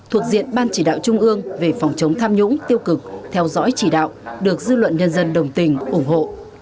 thuộc diện ban chỉ đạo trung ương về phòng chống tham nhũng tiêu cực theo dõi chỉ đạo được dư luận nhân dân đồng tình ủng hộ